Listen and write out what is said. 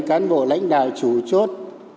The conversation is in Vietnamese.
cán bộ lãnh đạo chủ chốt